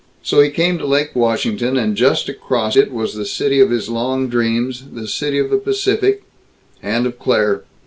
So he came to Lake Washington, and just across it was the city of his long dreams, the city of the Pacific and of Claire.